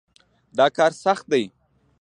دا کار سخت دی.